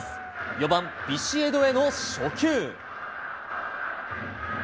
４番ビシエドへの初球。